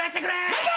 何だ！？